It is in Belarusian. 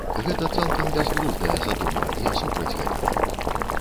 Гэта цалкам бязглуздая задума, я супраць гэтага.